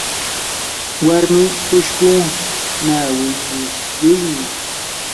warmii ushqu nawiyuqmi.